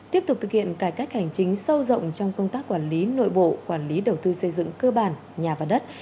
tiếp tục thực hiện cải cách hành chính sâu rộng trong công tác quản lý nội bộ quản lý đầu tư xây dựng cơ bản nhà và đất